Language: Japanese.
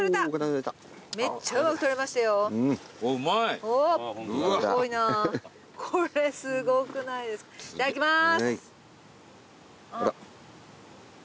はいいただきます。